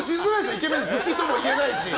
イケメン好きとも言えないし。